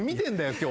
今日。